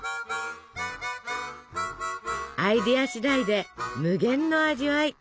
アイデアしだいで無限の味わい！